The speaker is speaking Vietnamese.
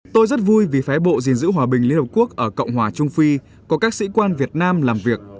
tôi rất vui vì phé bộ gìn giữ hòa bình liên hợp quốc ở cộng hòa trung phi có các sĩ quan việt nam làm việc